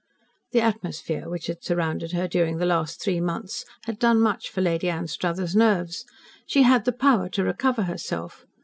The atmosphere which had surrounded her during the last three months had done much for Lady Anstruthers' nerves. She had the power to recover herself.